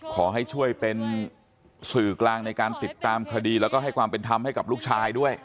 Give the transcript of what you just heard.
ขอให้ช่วยเป็นสื่อกลางในการติดตามคดีแล้วก็ให้ความเป็นธรรมให้กับลูกชายด้วย